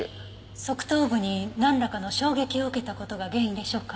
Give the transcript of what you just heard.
側頭部になんらかの衝撃を受けた事が原因でしょうか？